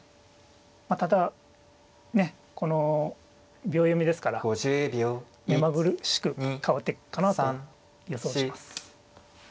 まあただこの秒読みですから目まぐるしく変わっていくかなと予想します。